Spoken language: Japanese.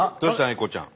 英孝ちゃん。